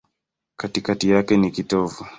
Katikati yake ni kitovu.